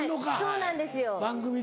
そうなんです。